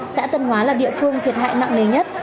xã tân hóa là địa phương thiệt hại nặng nề nhất